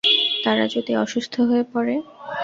তারা যদি অসুস্থ হয়ে পড়ে?